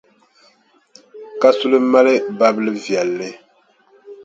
Kasuli mali babilʼ viɛlli.